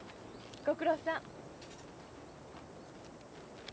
ご苦労さん。